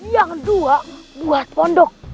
yang dua buat pondok